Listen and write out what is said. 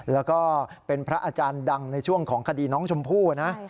แล้วก็เป็นพระอาจารย์ดังในช่วงของคดีน้องชมพู่นะ